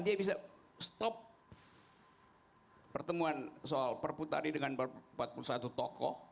dia bisa stop pertemuan soal perpu tadi dengan empat puluh satu tokoh